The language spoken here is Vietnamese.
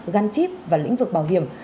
gắn chip và lĩnh vực bảo hiểm